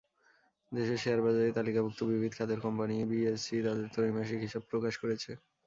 দেশের শেয়ারবাজারে তালিকাভুক্ত বিবিধ খাতের কোম্পানি বিএসসি তাদের ত্রৈমাসিক হিসাব প্রকাশ করেছে।